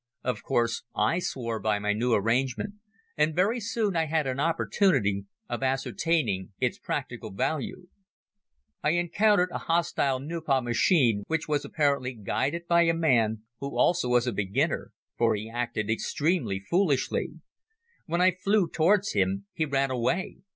Of course I swore by my new arrangement and very soon I had an opportunity of ascertaining its practical value. I encountered a hostile Nieuport machine which was apparently guided by a man who also was a beginner, for he acted extremely foolishly. When I flew towards him he ran away.